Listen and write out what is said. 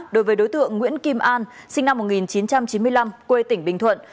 đối với đối tượng nguyễn kim an sinh năm một nghìn chín trăm chín mươi năm quê tỉnh bình thuận